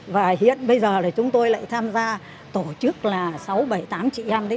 và hiện bây giờ là chúng tôi lại tham gia tổ chức là sáu bảy tám chị em đấy